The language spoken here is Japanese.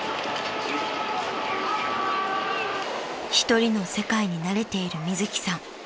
［１人の世界に慣れているみずきさん］